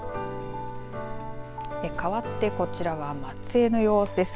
かわってこちらは松江の様子です。